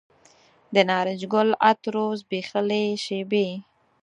د نارنج ګل عطرو زبیښلې شیبې